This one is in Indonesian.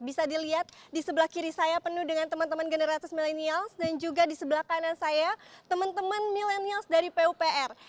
bisa dilihat di sebelah kiri saya penuh dengan teman teman generasi milenials dan juga di sebelah kanan saya teman teman milenials dari pupr